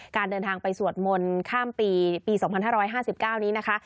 การเดินทางไปสวดมนต์ข้ามปีปี๒๕๕๙นี้นะคะ